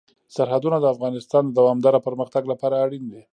سرحدونه د افغانستان د دوامداره پرمختګ لپاره اړین دي.